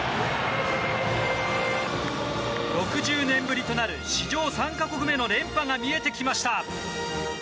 ６０年ぶりとなる史上３か国目の連覇が見えてきました。